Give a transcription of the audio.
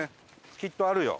きっとあるよ。